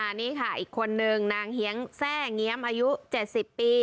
อันนี้ค่ะอีกคนนึงนางเฮียงแทร่เงี้ยมอายุ๗๐ปี